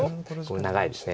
長いです。